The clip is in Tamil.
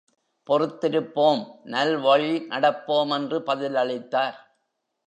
பொறுத்திருப்போம், நல்வழி நடப்போம் என்று பதிலளித்தார்.